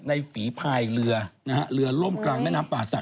ในฝีภายเรือเรือล่มกลางแม่น้ำป่าสัก